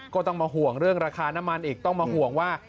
ก็ต้องมาห่วงเรื่องราคาน้ำมันอีกต้องมาห่วงว่า